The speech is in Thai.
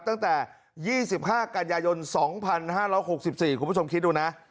ตั้งแต่๒๕กันยายน๒๕๖๔คุณผู้ชมคิดดูนะ